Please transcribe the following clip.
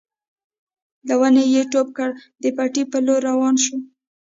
له ونې يې ټوپ کړ د پټي په لور روان شو.